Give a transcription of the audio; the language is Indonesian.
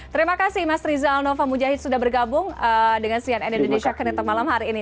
terima kasih mas rizal nova mujahid sudah bergabung dengan cnn indonesia connected malam hari ini